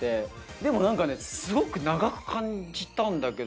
でもなんかねすごく長く感じたんだけど。